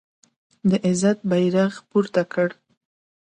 د عزت بیرغ پورته کړ